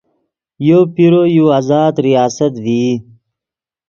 یو پیرو یو آزاد ریاست ڤئی